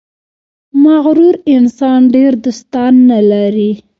• مغرور انسان ډېر دوستان نه لري.